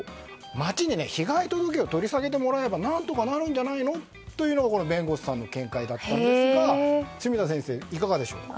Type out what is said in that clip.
町に被害届を取り下げてもらえば何とかなるんじゃないのという弁護士さんの見解でしたが住田先生、いかがでしょうか。